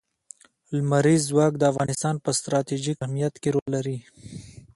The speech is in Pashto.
لمریز ځواک د افغانستان په ستراتیژیک اهمیت کې رول لري.